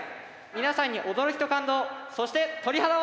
皆さんに驚きと感動そして鳥肌を！